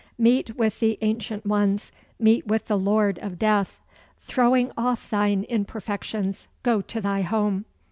Meet with the Ancient Ones; meet with the Lord of Death. Throwing off thine imperfections, go to thy home.